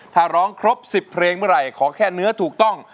ถ้าร้องครบ๑๐เพลงเมื่อไหร่ขอแค่เนื้อถูกต้อง